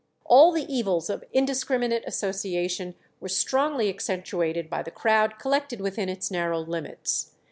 All the evils of indiscriminate association were strongly accentuated by the crowd collected within its narrow limits.